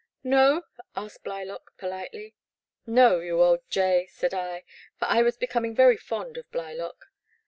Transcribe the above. '* No ?asked Blylock, politely. No, you old jay," said I, for I was becom ing very fond of Blylock.